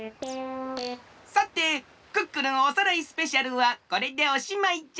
さて「クックルンおさらいスペシャル！」はこれでおしまいじゃ。